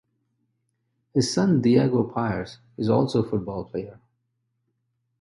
His son Diogo Pires is also football player.